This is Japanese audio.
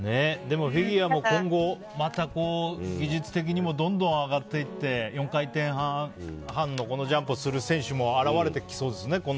でもフィギュアも今後技術的にもどんどん上がっていって４回転半のジャンプをする選手も現れてきそうですね